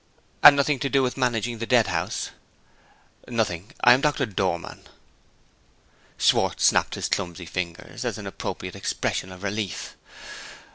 "And nothing to do with managing the Deadhouse?" "Nothing. I am Doctor Dormann." Schwartz snapped his clumsy fingers, as an appropriate expression of relief.